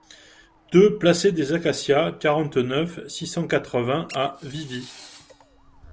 deux placé des Acacias, quarante-neuf, six cent quatre-vingts à Vivy